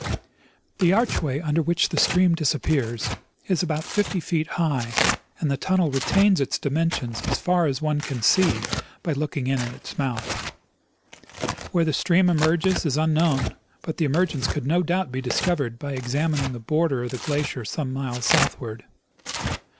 The archway under which the stream disappears is about fifty feet high, and the tunnel retains its dimensions as far as one can see by looking in at its mouth. Where the stream emerges is unknown ; but the emergence could no doubt be discovered by examining the border of the glacier some miles southward.